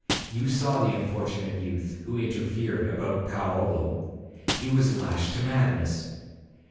You saw the unfortunate youth who interfered about Paolo. He was lashed to madness.